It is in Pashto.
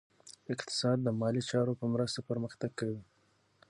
اقتصاد د مالي چارو په مرسته پرمختګ کوي.